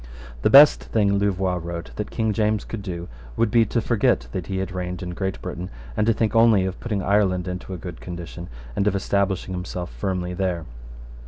The best thing, Louvois wrote, that King James could do would be to forget that he had reigned in Great Britain, and to think only of putting Ireland into a good condition, and of establishing himself firmly there.